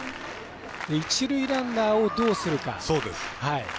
一塁ランナーをどうするか。